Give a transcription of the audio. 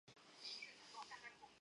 该党是全国共识力量的成员。